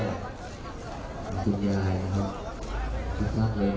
นักโมทรัพย์ภักวะโตอาระโตสัมมาสัมพุทธศาสตร์